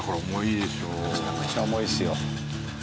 めちゃくちゃ重いっすよ。